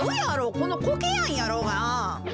このコケヤンやろうが。